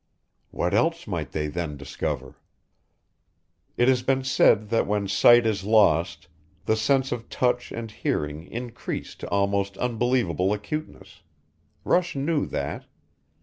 What else might they then discover? It has been said that when sight is lost the sense of touch and hearing increase to almost unbelievable acuteness Rush knew that.